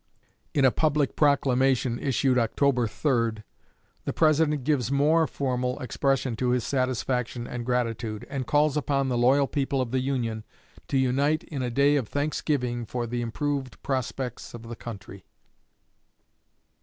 In a public proclamation, issued October 3, the President gives more formal expression to his satisfaction and gratitude, and calls upon the loyal people of the Union to unite in a day of thanksgiving for the improved prospects of the country.